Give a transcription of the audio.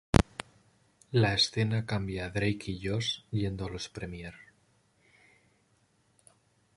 La escena cambia a Drake y Josh yendo a los Premiere.